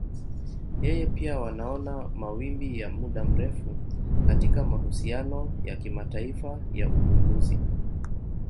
Yeye pia wanaona mawimbi ya muda mrefu katika mahusiano ya kimataifa ya uvumbuzi.